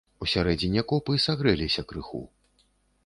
Усярэдзіне копы сагрэліся крыху.